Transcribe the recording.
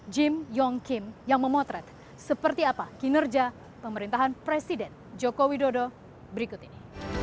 jim yong kim yang memotret seperti apa kinerja pemerintahan presiden joko widodo berikut ini